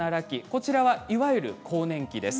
こちらはいわゆる更年期です。